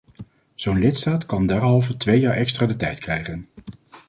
Zo'n lidstaat kan derhalve twee jaar extra de tijd krijgen.